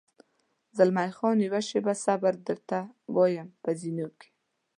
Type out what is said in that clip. زلمی خان: یوه شېبه صبر، درته وایم، په زینو کې.